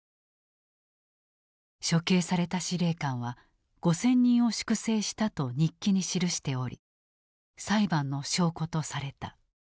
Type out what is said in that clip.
処刑された司令官は「５，０００人を粛正した」と日記に記しており裁判の証拠とされた。